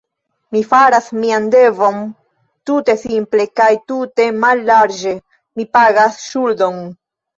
Mi faras mian devon tute simple kaj tute mallarĝe; mi pagas ŝuldon.